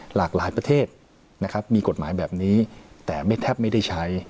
หลากหลายประเทศมีกฎหมายแบบนี้แต่แทบไม่ได้ใช้